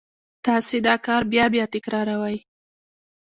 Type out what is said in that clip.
تاسې دا کار بیا بیا تکراروئ